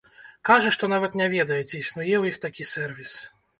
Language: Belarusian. Кажа, што нават не ведае, ці існуе ў іх такі сэрвіс.